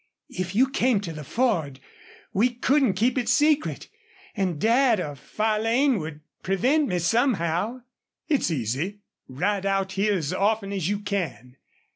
If you came to the Ford we couldn't keep it secret. And Dad or Farlane would prevent me, somehow." "It's easy. Ride out here as often as you can.